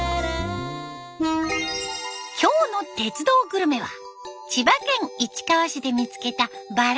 今日の「鉄道グルメ」は千葉県市川市で見つけたバラのお菓子。